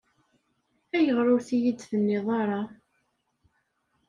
Ayɣeṛ ur-t-iyi-d tenniḍ ara?